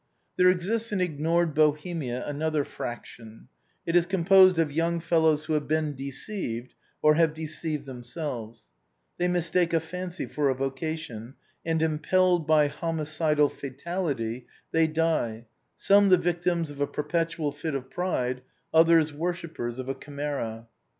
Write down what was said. Tbore exists in ignored Bohemia another fraction; it is ORIGINAL PREFACE. XXxix composed of young fellows who have been deceived, or who have deceived themselves. They mistake a fancy for a vocation, and impelled by homicidal fatality, they die, some the victims of a perpetual fit of pride others worshippers of a chimera.